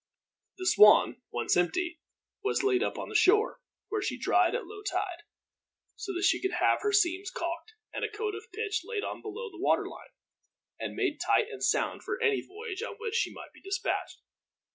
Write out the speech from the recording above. The Swan, once empty, was laid up on the shore; where she dried at low tide, so that she could have her seams caulked, and a coat of pitch laid on below the waterline, and be made tight and sound for any voyage on which she might be dispatched.